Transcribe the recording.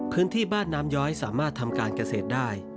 พื้นที่บ้านน้ำย้อยสามารถทำการเกษตรได้